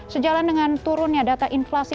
sejalan dengan turunnya data inflasi